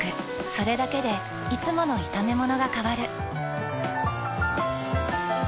それだけでいつもの炒めものが変わる。